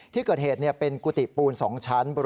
ที่เกิดเหตุเป็นพระป